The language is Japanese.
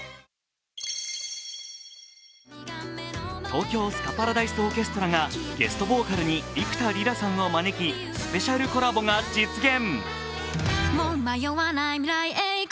東京スカパラダイスオーケストラがゲストボーカルに幾田りらさんを招きスペシャルコラボが実現。